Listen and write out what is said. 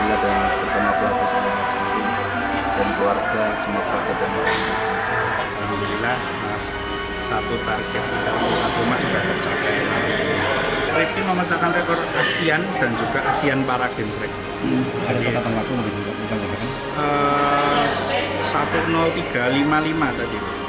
itu sebagai rekor yang baru sekaligus juga waktu best time rivki yang paling mudah